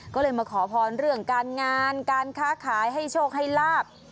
ก็เลยมาขอพรเรื่องการงานการค้าขายให้โชคให้ลาบ